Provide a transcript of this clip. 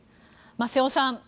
瀬尾さん